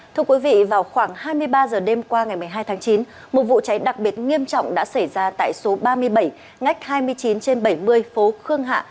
thưa quý vị vào khoảng hai mươi ba h đêm qua ngày một mươi hai tháng chín một vụ cháy đặc biệt nghiêm trọng đã xảy ra tại số ba mươi bảy ngách hai mươi chín trên bảy mươi phố khương hạ